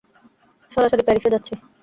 সরাসরি প্যারিসে যাচ্ছি।